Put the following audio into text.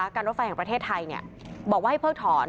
การรถไฟของประเทศไทยบอกว่าให้เพิ่งถอน